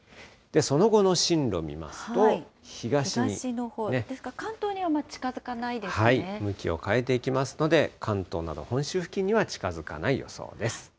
東のほうですか、関東にはあ向きを変えていきますので、関東など本州付近には近づかない予想です。